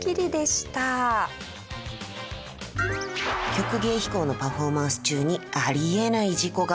曲芸飛行のパフォーマンス中にあり得ない事故が。